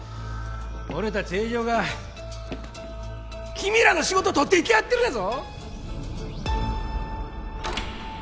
俺たち営業が君らの仕事を取ってきてやってるんやぞ！